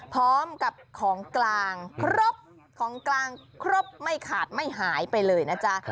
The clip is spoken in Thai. พร้อมกับของกลางครบของกลางครบไม่ขาดไม่หายไปเลยนะจ๊ะ